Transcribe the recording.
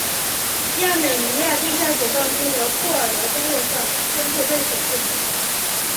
亚美尼亚地下解放军与库尔德工人党宣布对此负责。